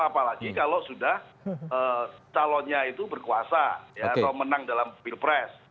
apalagi kalau sudah calonnya itu berkuasa atau menang dalam pilpres